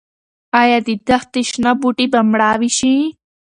ايا د دښتې شنه بوټي به مړاوي شي؟